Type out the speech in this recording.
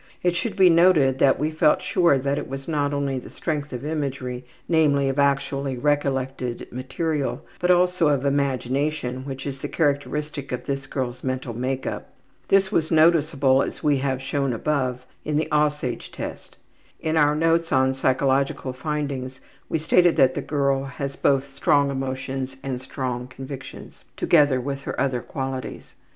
It should be noted that we felt sure that it is not only the strength of imagery, namely, of actually recollected material, but also of imagination which is characteristic of this girl's mental make up. This was noticeable, as we have shown above, in the ``Aussage'' Test. In our notes on psychological findings we stated that the girl has both strong emotions and strong convictions, together with her other qualities.